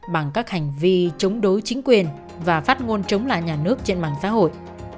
bằng các hành vi chống đối chính quyền và phát ngôn chống lại nhà nước trên mạng xã hội